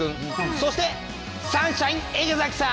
そしてサンシャイン池崎さん！